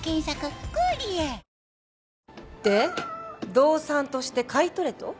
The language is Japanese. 動産として買い取れと？